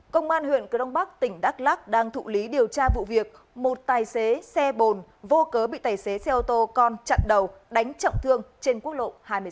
công an huyện crong bắc tỉnh đắk lắc đang thụ lý điều tra vụ việc một tài xế xe bồn vô cớ bị tài xế xe ô tô con chặn đầu đánh trọng thương trên quốc lộ hai mươi một